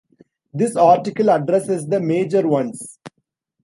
This article addresses the major ones.